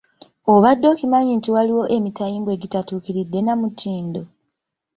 Obadde okimanyi nti waliwo emitayimbwa egitatuukiridde na mutindo